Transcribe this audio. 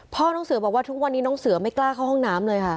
พ่อน้องเสือบอกว่าทุกวันนี้น้องเสือไม่กล้าเข้าห้องน้ำเลยค่ะ